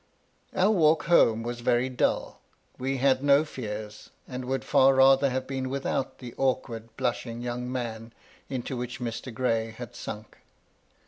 Our walk home was very dull. We had no fears ; and would far rather have been without the awkward, blushing young man, into which Mr. Gray had sunk.